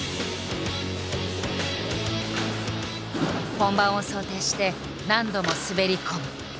本番を想定して何度も滑り込む。